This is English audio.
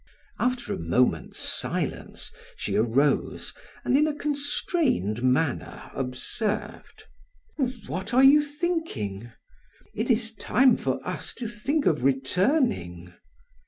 After a moment's silence, she arose and in a constrained manner observed: "Of what are you thinking? It is time for us to think of returning."